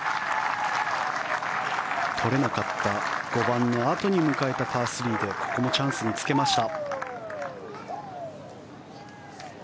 取れなかった５番のあとに迎えたパー３でここもチャンスにつけました。